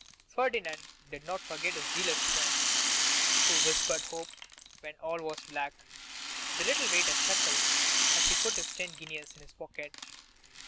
Ferdinand did not forget his zealous friend, who whispered hope when all was black. The little waiter chuckled as he put his ten guineas in his pocket.